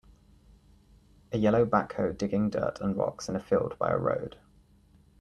A yellow backhoe digging dirt and rocks in a field by a road.